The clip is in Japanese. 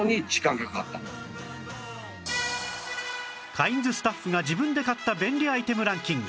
カインズスタッフが自分で買った便利アイテムランキング